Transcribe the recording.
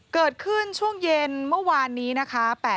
เกิดขึ้นช่วงเย็นเมื่อวานนี้นะคะ